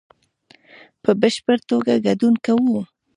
په بشپړ توګه ګډون کوو